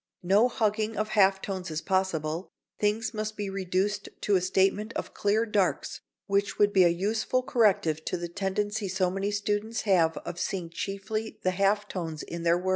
No hugging of half tones is possible, things must be reduced to a statement of clear darks which would be a useful corrective to the tendency so many students have of seeing chiefly the half tones in their work.